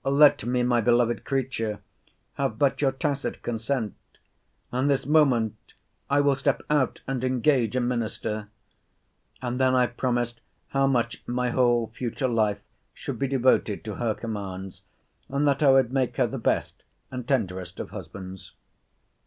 Let me, my beloved creature, have but your tacit consent; and this moment I will step out and engage a minister. And then I promised how much my whole future life should be devoted to her commands, and that I would make her the best and tenderest of husbands.